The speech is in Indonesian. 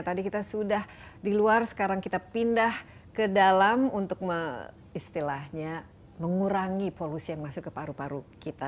tadi kita sudah di luar sekarang kita pindah ke dalam untuk istilahnya mengurangi polusi yang masuk ke paru paru kita